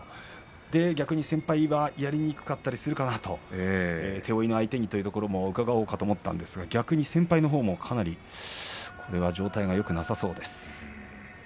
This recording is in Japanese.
逆に先輩はやりにくかったりする手負いの相手ということも伺おうと思ったんですが逆に先輩のほうも状態がよくなさそうです。